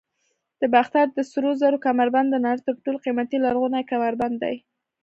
د باختر د سرو زرو کمربند د نړۍ تر ټولو قیمتي لرغونی کمربند دی